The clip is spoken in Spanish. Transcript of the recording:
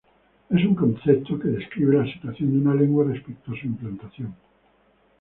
Es un concepto que describe la situación de una lengua respecto a su implantación.